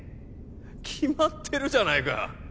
決まってるじゃないか